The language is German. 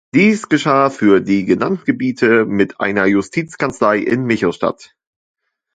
Dies geschah für die genannten Gebiete mit einer „Justizkanzlei“ in Michelstadt.